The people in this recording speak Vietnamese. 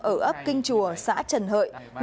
ở ấp kinh chùa xã trần hợi huyện trần hợi